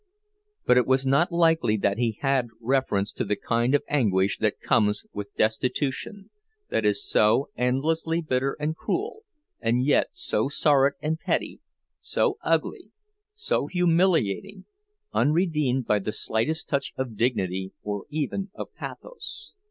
But it was not likely that he had reference to the kind of anguish that comes with destitution, that is so endlessly bitter and cruel, and yet so sordid and petty, so ugly, so humiliating—unredeemed by the slightest touch of dignity or even of pathos.